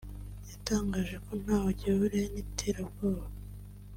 yatangaje ko ntaho gihuriye n’iterabwoba